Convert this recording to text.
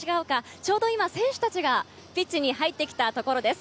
ちょうど今、選手たちがピッチに入ってきたところです。